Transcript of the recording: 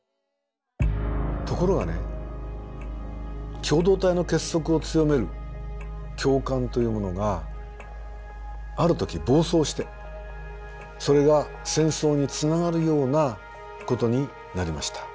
ところがね共同体の結束を強める共感というものがある時暴走してそれが戦争につながるようなことになりました。